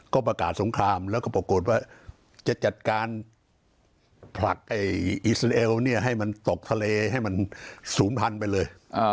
ก็ประกาศสงครามแล้วก็ปรากฏว่าจะจัดการผลักอิสราเอลให้มันตกทะเลให้มันศูนย์พันธุ์ไปเลย